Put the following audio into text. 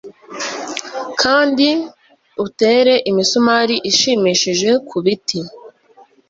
kandi utere imisumari ishimishije kubiti